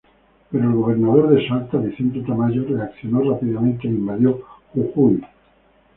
Pero el gobernador de Salta, Vicente Tamayo, reaccionó rápidamente e invadió Jujuy.